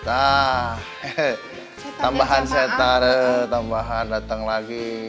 ah tambahan setan tambahan datang lagi